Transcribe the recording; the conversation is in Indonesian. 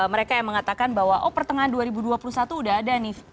mereka yang mengatakan bahwa oh pertengahan dua ribu dua puluh satu udah ada nih